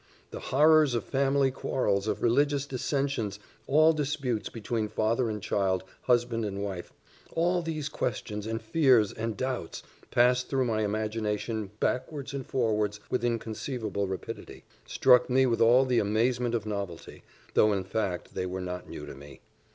The horrors of family quarrels, of religious dissensions and disputes between father and child, husband and wife All these questions, and fears, and doubts, passed through my imagination backwards and forwards with inconceivable rapidity struck me with all the amazement of novelty, though in fact they were not new to me.